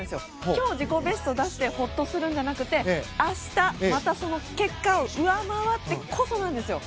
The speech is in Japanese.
今日、自己ベストを出してホッとするんじゃなくて明日、またその結果を上回ってこそなんですよ。